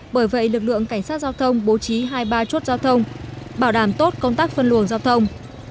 bởi vậy lực lượng cảnh sát giao thông bố trí hai mươi ba chốt giao thông bảo đảm tốt công tác phân luồng giao thông